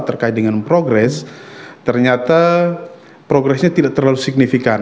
terkait dengan progress ternyata progressnya tidak terlalu signifikan